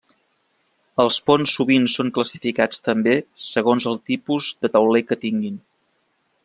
Els ponts sovint són classificats també segons el tipus de tauler que tinguin.